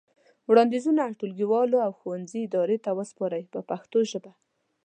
وړاندیزونه ټولګیوالو او ښوونځي ادارې ته وسپارئ په پښتو ژبه.